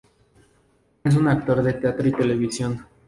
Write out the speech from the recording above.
Es un actor de teatro y televisión.